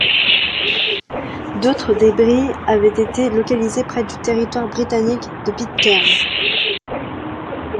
D’autres débris avaient été localisés près du territoire britannique de Pitcairn.